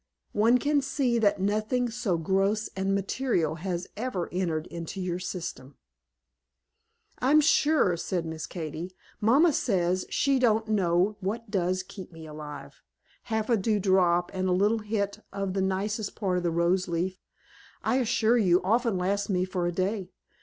"One can see that nothing so gross and material has ever entered into your system." "I'm sure," said Miss Katy, "mamma says she don't know what does keep me alive; half a dew drop and a little hit of the nicest part of a rose leaf, I assure you, often last me for a day.